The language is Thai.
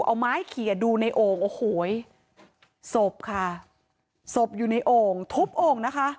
เอาไม้เขียดูในโอ่งโอ้โหศพค่ะศพอยู่ในโอ่งทุบโอ่งนะคะ